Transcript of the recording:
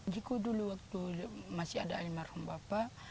jika dulu waktu masih ada alim marhum bapak